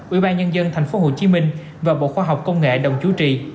ủy ban nhân dân tp hcm và bộ khoa học công nghệ đồng chủ trì